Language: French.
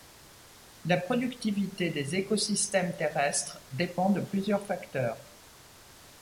La productivité des écosystèmes terrestres dépend de plusieurs facteurs.